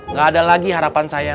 nggak ada lagi harapan saya